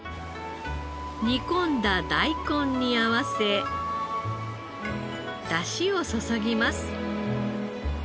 煮込んだ大根に合わせ出汁を注ぎます。